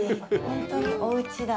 本当におうちだ。